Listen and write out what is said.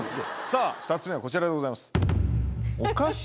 さぁ２つ目はこちらでございます。